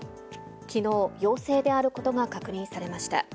きのう、陽性であることが確認されました。